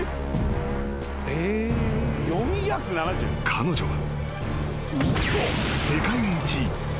［彼女は］